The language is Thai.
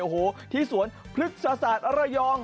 โอ้โหที่สวนพฤกษศาสตร์ระยอง